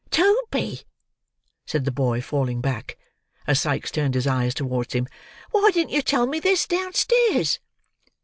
"Toby," said the boy falling back, as Sikes turned his eyes towards him, "why didn't you tell me this, downstairs?"